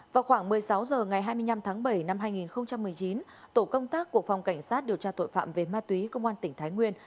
vào khoảng một mươi sáu h ngày hai mươi năm tháng bảy năm hai nghìn một mươi chín tổ công tác của phòng cảnh sát điều tra tội phạm về ma túy công an tỉnh thái nguyên